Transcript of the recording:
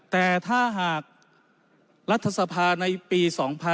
แต่ถ้าหากรัฐสภาในปี๒๕๖๒